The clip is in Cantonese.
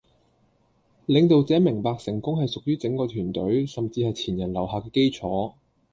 領導者明白成功係屬於整個團隊、甚至係前人留下嘅基礎。